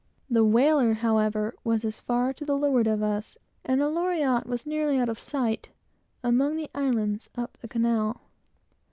The whaler, however, was as far to leeward of us, and the Loriotte was nearly out of sight, among the islands, up the Canal.